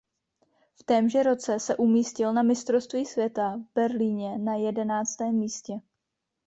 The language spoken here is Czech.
V témže roce se umístil na mistrovství světa v Berlíně na jedenáctém místě.